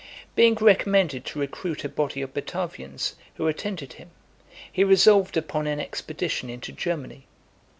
Being recommended to recruit a body of Batavians, who attended him, he resolved upon an expedition into Germany.